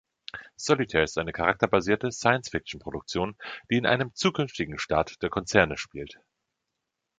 Solitaire ist eine charakterbasierte Science-Fiction-Produktion, die in einem zukünftigen Staat der Konzerne spielt.